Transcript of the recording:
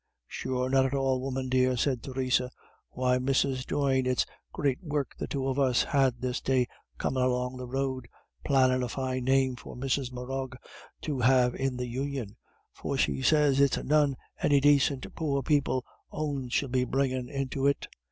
"Sure not at all, woman dear," said Theresa. "Why, Mrs. Doyne, it's great work the two of us had this day comin' along the road, plannin' a fine name for Mrs. Morrough to have in the Union', for she sez it's none any dacint poor people own she'll be bringin' into it.